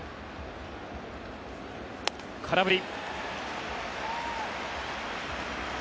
空振り。